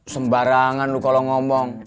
sembarangan lu kalau ngomong